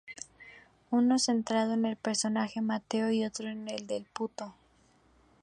Uno centrado en el personaje de "Mateo" y otro en el del "Puto".